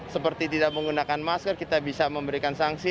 seperti tidak menggunakan masker kita bisa memberikan sanksi